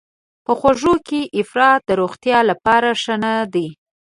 په خوږو کې افراط د روغتیا لپاره ښه نه دی.